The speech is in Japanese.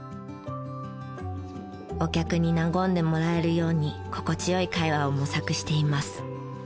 お客に和んでもらえるように心地よい会話を模索しています。